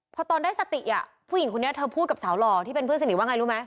พอตอนได้สติผู้หญิงคนนี้เธอพูดกับสาวหล่อที่เป็นเพื่อนสนิทว่าไงรู้ไหม